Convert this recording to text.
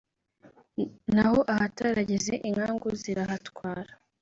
naho ahatarageze inkangu zirahatwara